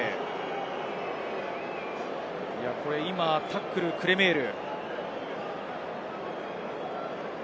タックルはクレメール。